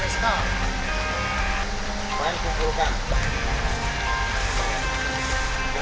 siap sudah diberitahu saya setah